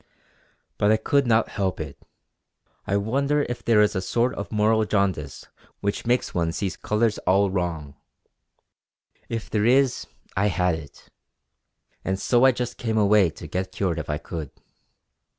But I could not help it. I wonder if there is a sort of moral jaundice which makes one see colours all wrong! If there is, I had it; and so I just came away to get cured if I could.